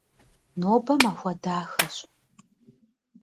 Nobe maxue daxeş.